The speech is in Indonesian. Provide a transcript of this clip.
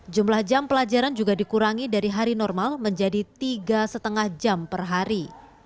jumlah jam pelajaran juga dikurangi dari hari normal menjadi tiga lima jam per hari